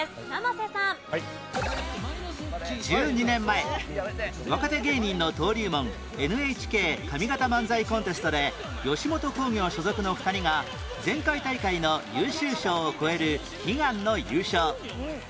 １２年前若手芸人の登竜門 ＮＨＫ 上方漫才コンテストで吉本興業所属の２人が前回大会の優秀賞を超える悲願の優勝